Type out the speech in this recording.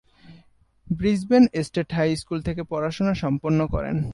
Brisbane State High School থেকে পড়াশোনা সম্পন্ন করেন।